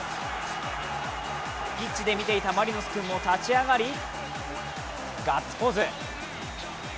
ピッチで見ていたマリノス君も立ち上がり、ガッツポーズ。